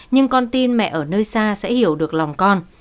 nhưng con tin mẹ ở nơi xa sẽ hiểu được lòng con